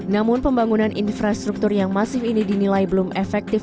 namun pembangunan infrastruktur yang masif ini dinilai belum efektif